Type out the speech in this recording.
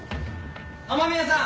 雨宮さん！